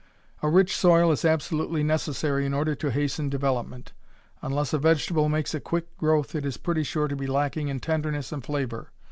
A rich soil is absolutely necessary in order to hasten development. Unless a vegetable makes a quick growth it is pretty sure to be lacking in tenderness and flavor.